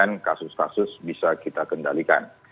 dan kemudian kasus kasus bisa kita kendalikan